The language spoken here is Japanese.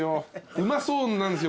うまそうなんですよ